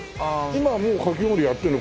今もうかき氷やってるの？